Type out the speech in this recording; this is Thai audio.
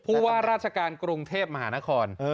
ว่าราชการกรุงเทพมหานคร